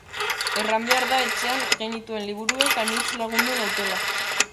Erran behar da etxean genituen liburuek anitz lagundu nautela.